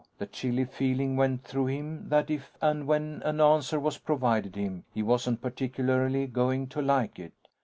The chilly feeling went through him that if and when an answer was provided him, he wasn't particularly going to like it.